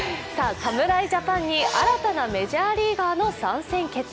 侍ジャパンに新たなメジャーリーガーの参戦決定。